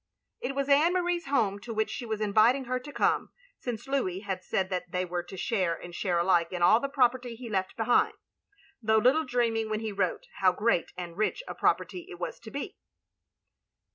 It was Anne Marie's home to which she was inviting her to come, since Louis had said that they were to share and share alike in all the property he left behind; though little dreaming, when he wrote, how great and rich a property it was to be.